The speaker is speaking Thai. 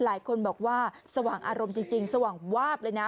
หลายคนบอกว่าสว่างอารมณ์จริงสว่างวาบเลยนะ